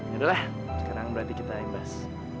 yaudah lah sekarang berarti kita embas